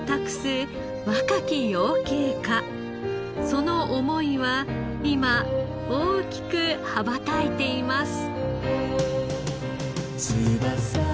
その思いは今大きく羽ばたいています。